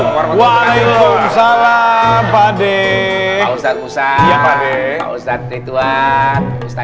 mau jadi musik kita